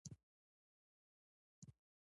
د حلقوي سړک افغانستان نښلوي